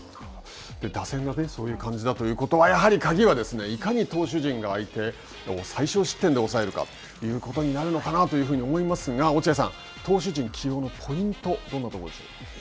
打線がそういう感じだということは、やはり鍵はいかに投手陣が相手を最少失点で抑えるかということになるのかなというふうに思いますが落合さん、投手陣起用のポイント、どんなところでしょう。